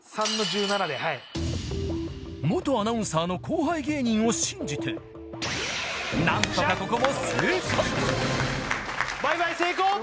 ３の１７ではい元アナウンサーの後輩芸人を信じてなんとかここも正解倍買成功！